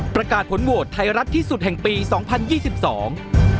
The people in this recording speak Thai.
ประกาศผลโหวตไทยรัฐที่สุดแห่งปีสองพันยี่สิบสอง